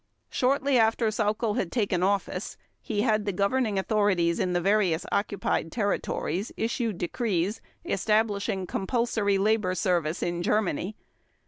Shortly after Sauckel had taken office, he had the governing authorities in the various occupied territories issue decrees, establishing compulsory labor service in Germany.